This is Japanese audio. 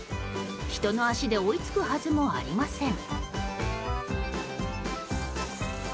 人の足で追いつくはずもありません。